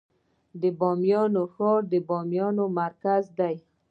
د بامیان ښار د بامیان مرکز دی